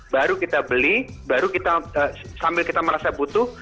baru kita beli baru kita sambil kita merasa butuh